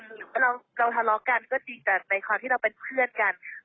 แต่เราทะเลาะกันก็ดีกันในคราวที่เราเป็นเพื่อนกัน